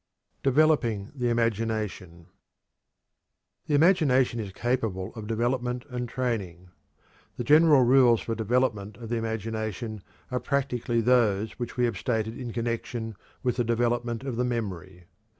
DEVELOPING THE IMAGINATION. The imagination is capable of development and training. The general rules for development of the imagination are practically those which we have stated in connection with the development of the memory.